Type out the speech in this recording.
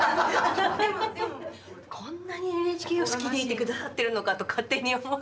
こんなにＮＨＫを好きでいて下さってるのかと勝手に思って。